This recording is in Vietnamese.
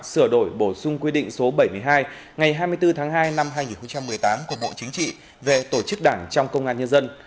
sửa đổi bổ sung quy định số bảy mươi hai ngày hai mươi bốn tháng hai năm hai nghìn một mươi tám của bộ chính trị về tổ chức đảng trong công an nhân dân